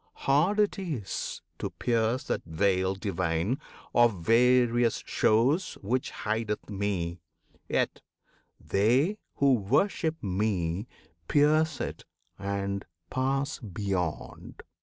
Hard it is To pierce that veil divine of various shows Which hideth Me; yet they who worship Me Pierce it and pass beyond.